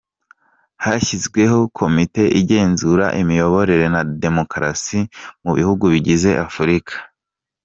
Hashyizweho komite igenzura imiyoborere na Demokarasi mu bihugu bigize afurica